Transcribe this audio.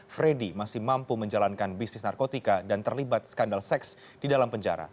freddy masih mampu menjalankan bisnis narkotika dan terlibat skandal seks di dalam penjara